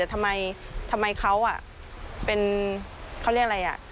ทำไมเขาเป็นเขาเรียกอะไร